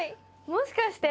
もしかして？